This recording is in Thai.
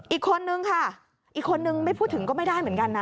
อีกคนนึงค่ะอีกคนนึงไม่พูดถึงก็ไม่ได้เหมือนกันนะ